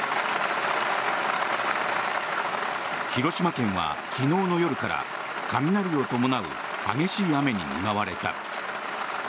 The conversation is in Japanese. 広島県は昨日の夜から雷を伴う激しい雨に見舞われた。